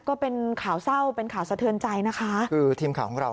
ก็เป็นข่าวเศร้าเป็นข่าวสะเทิญใจนะคะ